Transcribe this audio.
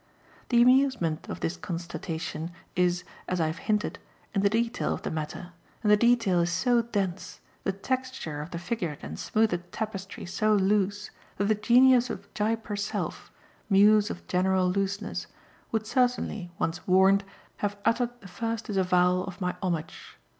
The amusement of this constatation is, as I have hinted, in the detail of the matter, and the detail is so dense, the texture of the figured and smoothed tapestry so loose, that the genius of Gyp herself, muse of general looseness, would certainly, once warned, have uttered the first disavowal of my homage.